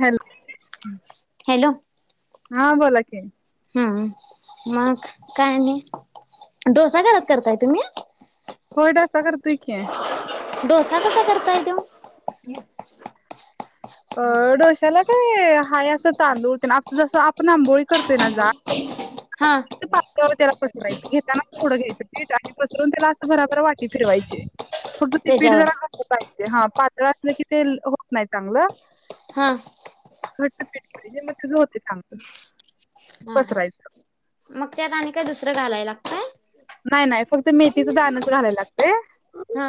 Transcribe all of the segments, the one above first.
Hello hello हा बोला कि हा मग काय नाही डोसा गरात करताय तुम्ही होय डोसा करतोय की काही देऊ [inaudible] अ डोश्याला काय हाय असं तांदूळते ना आप जसं आपण आंबोळी करतोय ना हा जाड पातळ त्याला पसरायचं घेताना थोडं घ्यायचं पीठ आणि पसरून त्याला असं भराभरा वाटी फिरवायची. फक्त ती पीठ त्याच्यावर जरा खातलं पाहिजे हा पातळ असलं की ते होत नाही चांगलं. हा. घट्ट पीठ पाहिजे मग त्याझ होतेय चांगलं हा हा पसरायचं मग त्यात आणि काय दुसरं घालायला लागत नाही नाही फक्त मेथीच दानच घालायला लागतंय हा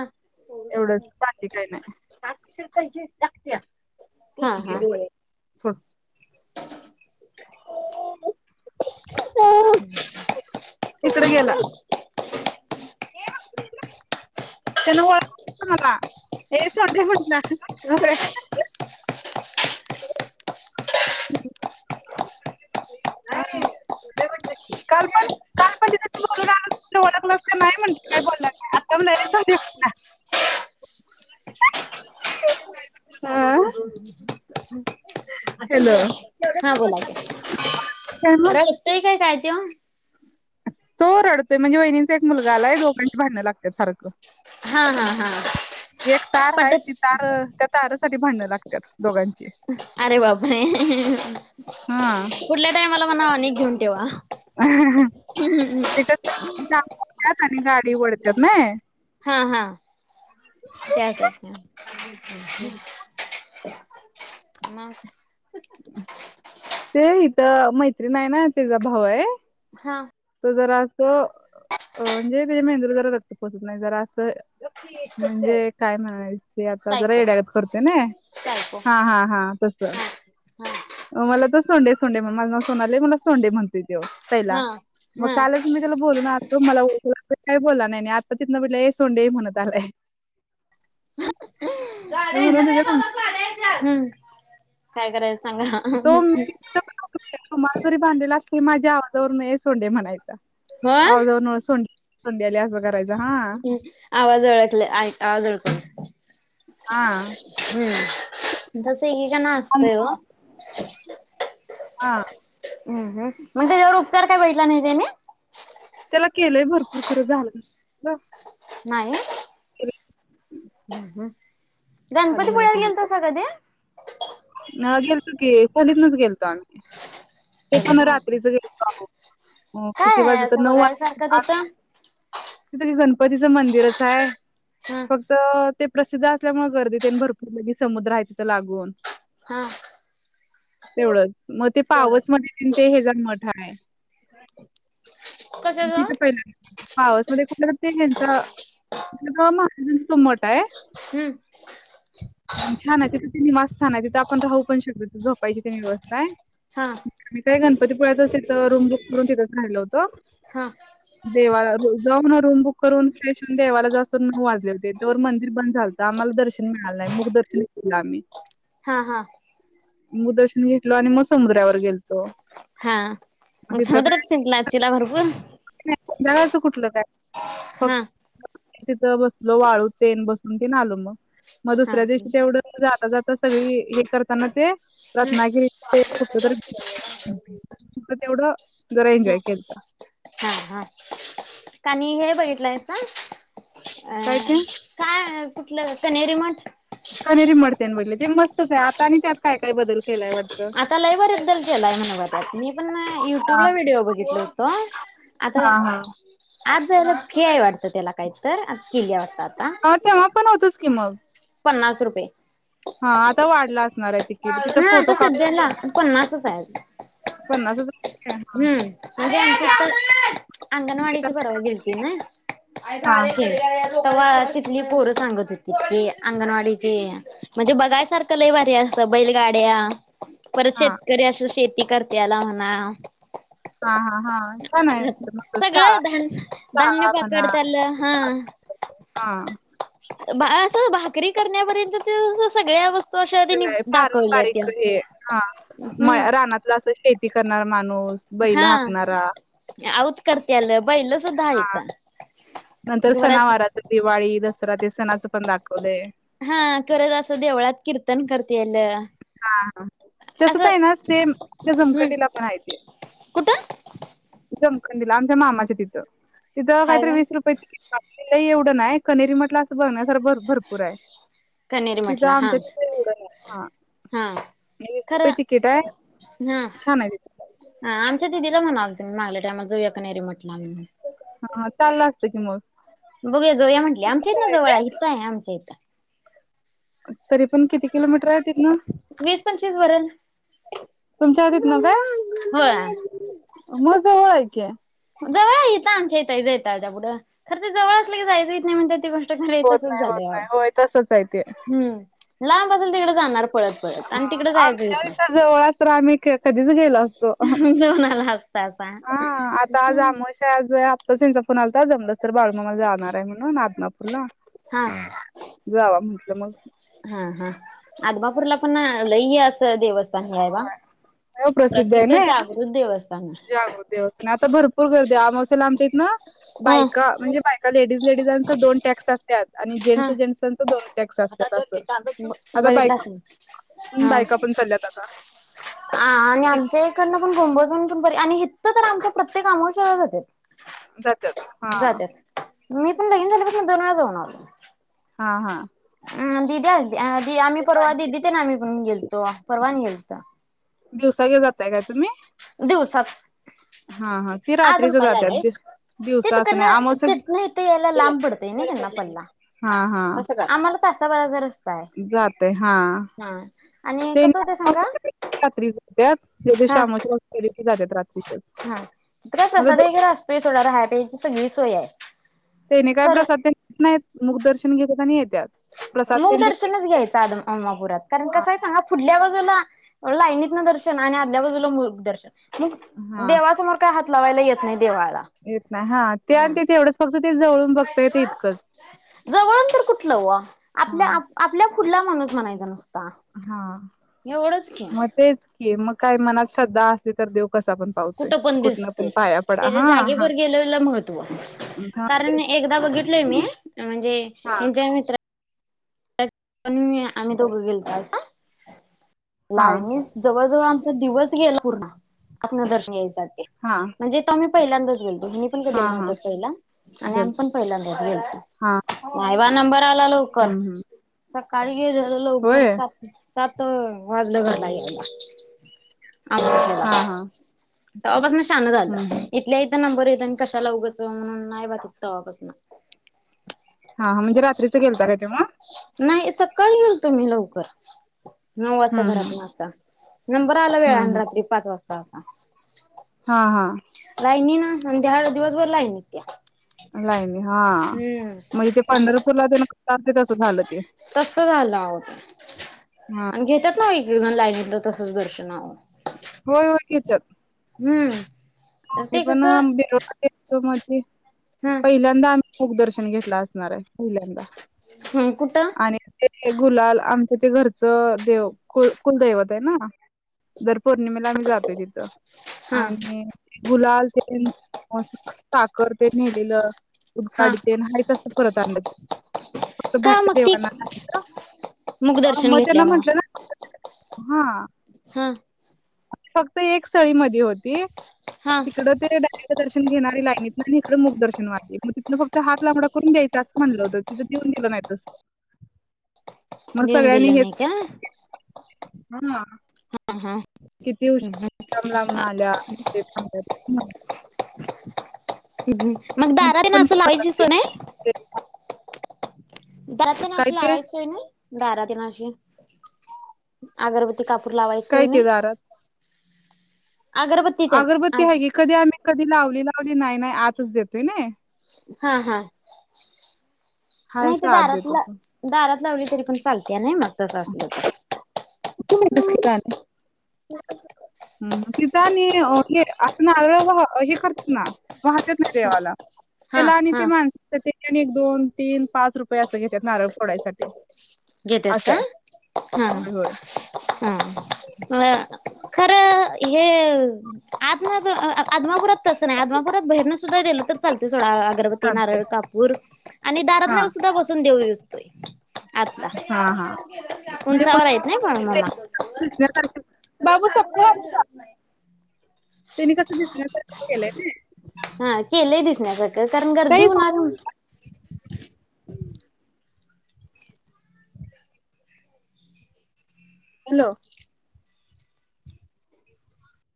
एवढचं बाकी काही नाही [inaudible] हा टूचीचे हा डोळे. सोड [inaudible] इकड गेला. त्यांन व्ळखळं मला हे संध्या म्हण ना काय रे मी म्हटल की इकडे ये काल पण काल पण तिथ तू बोलवल्यानंतर वळखलसं काय नाय म्हटल काय बोलला नाय आता म्हणालाय ये सोने हॅलो हा बोला की. मग रहतय काय काय त्यो. तो रडतोय म्हणजे वहिणींचा एक मुलगा आलाय दोघांची भांडणं लागत्यात सारखं हा हा हा एक तार आहे पटत ती तार त्या तारासाठी भांडण लागत त्यात. अरे बाप रे हा पुढल्या टाइमाला म्हणावं आणि एक घेऊन ठेवा. ती लांबवत्यात आणि गाडी वडत्यात न‌ई. हा हा. त्यासाठी हम्म हम्म [inaudible] मग. ते इथ मैत्रीण आहे ना तिझा भाऊ हाय हां जरा अस म्हणजे तिझ्या मेंदूला जरा रक्त पोचत नाही जरा अस म्हणजे काय म्हणायचं ते आता जरा सायको येड्यागत करतेयं न‌ई सायको हा हा हा हा मला तर सोंडे सोंडे म्हण माझ नावं सोनाली हाय मला सोंडे म्हणतोय त्यो. पहिला. हा मग हा कालच मी त्या बोल गाड्या येत्यात ए बाबा गाड्या येत्यात. हम्म काय करायचं सांगा. रुमाल जारी बांधलेला असला तरी माझ्या आवाजावरून हे सोंडे म्हणायचं हो आवाजावरून मला सोंडे म्हणायचा. संंड्याली असं करायचं हा आवाज ओळखले आवाज ओळखले हा हम्म तस की का ना हा असतय हो हा हम्म हम् मग त्याच्यावर उपचार काय भेटला नाही त्यानी त्याला केलंय भरपूर खरं झालं, नाही केलं हम् हम् गणपतीपोळ्याला गेलतासा कधी? ह गेलतो की खोलीतूनच गेलतो आम्ही ते पण रात्रीच काय गेलतो आहो हो किती आहे वाजत तर असं नऊ बघायसारखं वाजता तिथं तिथं क गणपतीचं मंदिरच आहे. हा फक्त ते प्रसिद्ध असल्यामुळे गर्दीतेन भरपूर म्हणजे समुद्र आहे तिथं लागून हा तेवढंच मग ते तेवढंच पावस तिथे हेज मठ आहे. तिथं कशाच पहीला पावस मध्ये कूंथ प्रति केंद्र [unintelligible] महाराजाच मठ आहे. हम छान आहे. तिथं निवासस्थान आहे. तिथे आपण राहू पण शकतो. झोपायची तेन व्यवस्था आहे. हा आणि काय गणपतीपुळ्यातच तिथं रूम बुक करून तिथंच राहिल होतं. हा देवाला जाऊन ह रूम बुक करून फ्रेश होवून देवाला जाऊसतोवर नऊ वाजले होते त्यावर मंदिर बंद झालंत आम्हाला दर्शन मिळालं नाही मुग दर्शन घेतलं आम्ही हा हा मुग दर्शन घेतलो आणि मग समुद्रावर गेलो- हो हा मग समुद्रात फिरला असशीला भरपूर जगाचं कुठलं काय. फक्त हम् तिथं बसलो वाळूत तेन बसून तेन आलो मग. मग हा हा दुसऱ्या दिवशी तेवढं जाता जाता. सगळी हे करताना ते रत्नागिरी कुठलं तर- तेवढं जरा एन्जॉय केलता. काणी हे बघितलंयस ना. अ काय ते. काय कुठलं कनेरी मठ. कनेरी मठ ते मस्तच आहे आता आणि त्यात काय काय बदल- केलाय वाटतं आता लाईव्हर एकदल क लाव्हण ब मी पण हा युट्यूबला व्हिडिओ बघितल होतो आता हा हा आज जायला- फी वाटतं त्याला काहीत तर. किल्लेल्या वारतात- कि मग पन्नास रुपये. हा आता वाढला अस नर हा तिकीट तिथ फोटो आता काढ सध्याला पन्नासच पन्नास हजार हम् म्हणजे आमची अंगणवाडीची परवा गे होती ना. हा हा तेव्हा तिथली पोरं सांगत होतीी अंगणवाडीची म्हणजे बघायसारखं लैवारी असत बैलगाड्या- परत हां, शेतकरी असं श- ती करते आला म्हणा- 'हा हा हा छान आहे सगळं धान धान्य शाळा मना पकडत्याला हा हा' वकरी करण्यापर्यंत सगळ्यास्- पारंपारिक हे हा म हम्म रानातलं असं शेती- हे करणार माणूस- बैला हाकणारा- करत्यालब बहिलं सुद्धा हां, आहेता. नंतर सनावार दिवाळी दस दरात सणाचं पण दाखवलेय. हा करत असं देवळात कीर्तन करत हा असं तसच आहे ना सेम हम्म झमकडीला पण आहे ते कुठं दिला आमच्या मामाच तिथं तिथं काही हायवे वीस रुपये तिकीट आपल्याव कनेरी मटला असं बघण्या सारख भर भरपूर आहे. कनेरी तिथं म्हटला हा आमच्या त एवढं हा हा खर हा छान आहे तिथं. आमच्या त दिल मागल्या टायमाला जाऊया कनेरी मट हा चाललं असतं [unintelligible] की मग. बघूया जाऊया म्हटल्या, आमच्या इथन आहे काय? जवळाय, इथ आय आमच्या इथ तरी पण किती किलोमीटराय तिथन, वीस पंचवीस भरल तुमच्या तिथन काय? होय म जवळाय की [unintelligible] पुुढं, खरं ते जवळ असल की जायच व्हूयत नई म्हणत्यात ती गोश होत नाई होत नाई, होय तसच आय ते हम्म लांब आसल तिकड जाणार. पळत पळत अ आणि तिकडे जायचं आमच्या होत इथ जवळ आस [unintelligible] कधीच गेलो अस तो अह्, नाही जाऊन आला असता असा आ आता आज आमोशा आज आताच हेंचा फोन आलता, आज जमलस तर बाळू नमा जाणाराय म्हणू नून आदमापूरला हा जावा म्हटलं मग हा हा, आदमापूरला पण लई असं देवस् ता हे आय बा, होय आहे प्रसिद्ध ना. जागृत देवस्थान आय. पूर गर्दी आय, आमवसेला आमच्या इतन हम्म बायका म्हणजे बाय लेडीज लेडीजांचा दोन टॅक्स असत्यात. आणि जेंट्स जेट्सांचा दोन टेक्स असत्यात आस [unintelligible] हम्म आता बघितलं बायका [unintelligible] बायका पण चालल्यात आता आ आणि आमच्या इकडनं पण कोंबजून पण [unintelligible] आणि हितं पण आमच्या प्रत्येक आमवशाला जात्यात. जात्यात हा जात्यात मी पण लगीन झाल्या पसन दोन वेळा जाऊन आलो. हा हा. आ दीदी आज आ दी आमी परवा दीदी तेन आमी पण गेलतो, परवा आणि गेलतो. दिवसा गे जाताय काय तुम्ही? दिवसात हा हा ते आद रात्रीच जात्यात, ते दिवसा अस नाई, तिकडनं आमवस्याच, तिथनं इथं यायला ही घे लांब पडतंय ना कड त्यांना कडन घे, पल्ला हा हा आम्हाला तासाबराचा रस्ता आय जातय हा हा आणि ते कसं होतय सांगा, रात्री जात्यात ज्या दिवशी हा अमावस्या असते त्या दिवशी जात्यात रात्रीच हा तीत काय प्रसाद आता वगैरे असतोय सोडा राहा प्यायाची सगळी सोय हाय. तेनी काय प्रसाद तेन खात नाईत, मुकदर्श त्यानी घेत्यात, आणि येत्यात. प्रसाद मग तेन देते दर्शनच घ्यायच, अद, अमापुरात कारण हा कस आहे सांगा पडल्या. चला, लाईनीत न दर्शन आणि आदल्या बाजूला मु. दर्शन. मग हा देवा समोर काय हात. लावायला येत नाहीत. देवळाला, येत नाही हा ते आणि हम ते तेवढंच फक्त ते जवळून बघता येत इतकंच. जवळ तर कुठलं व हा आपल्या-आपल्या फुल ला माणूस म्हणायच नुसत. हा म तेच की मग काही मनात श्रद्धा असली तर, दे कुठं पण दिसतोय, पडा त्याच्या हा हा जागेवर गेलेल महत्त्व हा कारण तेच एकदा बघितलंय मी. म्हणजे, हा हेंच्या मित्र. पण मी, आम्ही दोघं गेलतो. हा लायनी जवळ-जवळ आ. मच दिवस गेला पूर्ण, आतन दर्शन घ्यायसा. हा म्हणजे तम्ही. पहिल्यांदच गेलो. तुम्ही पण कधी हा हा नव्हता पहिला, आणि आम गेलतो पण पहिल्यांदाच हा हा गलतो, मायवा नंबर आला लवकर. हम्म हम्म चकाळी. ये झालं लवकर होय सात-सात. तर वाजलं घरला यालला. आयशा. हा हा तवा-पसन. चांगल झाल, हम्म हम्म इथल्या इथ नंबर येतोय. नंन कशाला उगच, म्हणून नाइ बाई तवापासन. हा-हा म्हणजे रात्रीच गेलता काय तुम्ही. नाही सकाळी गेलतो, मी लवकर. नऊ वासता हम्म हम्म घरातन असा. नंबर आला हम्म वेळान रात्री पाच वाजता. पासा. हा-हा. राहिनी ना, हन. त्या वेळेस दिवसभर लाइनीत त्या. लाईन हा म्हणजे, ते हम्म पंढरपूरला तेन कसं झालं ते, तस झालं हा. नाइ एकेक जण लाईनितन तसंच दर्शनाव. की येत्यात हम्म हे ते पण [unintelligible] कसं हम्. हा पहिल्यांदा आम मुख दर्शन घेतला असणारय पहिल्यांदा हम् कुठ? आणि गुलाल आमच्या ते घरचं देव कु कुलदैवत आहे ना जर पौर्णिमेला जातोय तिथं. हा आणि गुलाल तेन साखर तेन नेलेलं. हा उद्काडी तेन परत अनल की फक्त का बाहेरच्या मग ती देवांना मूक दर्शन मग त्यांना घेतल्यामुळे म्हंटलं ना हा. ह. फक्त एक सळी मध होती. हा तिकडं ते डायरे दर्शन घेणारी लाईनीत आणि इकडे मुक दर्शन मारली मग तिथनं फक्त हात लांबडा करून द्यायचा असं म्हणलं होतं तिथं देऊन दिलं नाही तस देऊन दिलं नाही का? हम. हा हा किती उषर लांबलांबन अल्यात ते थांबल्या ह. मग दाराारी तिथं पण असं प्रसाद लावायची असतोय सोय की. नाही? ते त्या पण काय अं ते लावायची सोय नाही? दारा दि नाशी अगरबती ते कापूर लावायची सोय काय ते नाही? दारात अगरबत्ती तेन अगरबत्ती आहे की कधी आम्ही कधी लावली लावली नाही नाही आतच देतोय नाय हा हा. हाय नाही ते असं आत देत दारातलं होतो. दारात लावली तरी पण चालते नाही मग तसं असलं तर तिथं आणि हे आप आळ हे करतात वाहत्यात ना देवाला हा त्याला आणि ते हा माणस एक दोन तीन पाच रुपये असं घेतात नारळ फोडायसाठी. घेतात असं का? आहे. हम्म.. होय, होय. हा खरं हे आत्माच आदमापुरात तस नाही आदमापुरात बाहेर ालं तर चाल सोड अगरबत्ती चालतंय. नारळ कापूर आणि दारातन सुद्धा बसून देऊ त हा हा म्हणजे उंचावर आहेत नाही बाळूमामा खरं सारखं मिळत [unintelligible] नाही तेनी कसं दिसल्या सारख केलंय. नजर [unintelligible] ताई देऊन ना अजून. हॅलो!